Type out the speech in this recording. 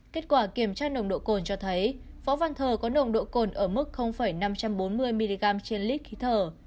kết quả kiểm tra nồng độ cồn cho thấy võ văn thờ có nồng độ cồn ở mức năm trăm bốn mươi mg trên lít khí thở